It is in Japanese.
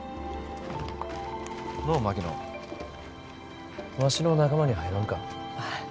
のう槙野わしの仲間に入らんか？